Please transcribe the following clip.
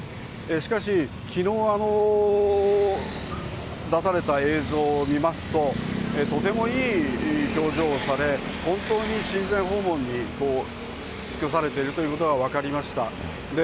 しかし、きのう出された映像を見ますと、とてもいい表情をされ、本当に親善訪問に尽くされているということが分かりました。